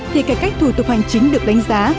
thì cải cách thủ tục hành chính được đánh giá